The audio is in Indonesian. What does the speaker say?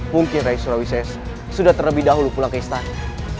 mungkin rai surawises sudah terlebih dahulu pulang ke istana